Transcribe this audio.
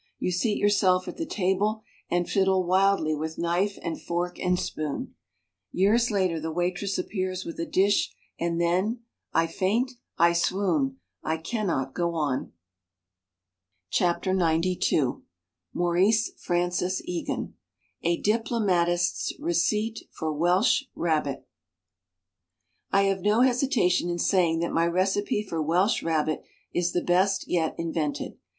You seat yourself at the table and fiddle wildly with knife and fork and spoon. ... Years later the waitress appears with a dish and then — I faint — I swoon — I cannot go on ! THE STAG COOK BOOK XCII Maurice Francis Egan A DIPLOMATIST'S RECEIPT FOR WELSH RABBIT I have no hesitation in saying that my recipe for Welsh Rabbit is the best yet invented.